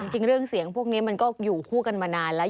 จริงเรื่องเสียงพวกนี้มันก็อยู่คู่กันมานานแล้ว